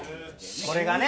これがね。